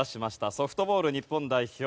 ソフトボール日本代表